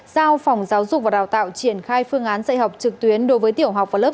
giao phòng giáo dục và đào tạo triển khai phương án dạy học trực tuyến đối với tiểu học và lớp một